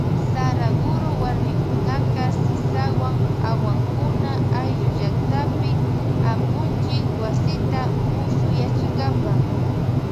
Saraguro warmikunaka sisawan awankuna ayllu llaktapi apunchik wasita mushuyachinkapa.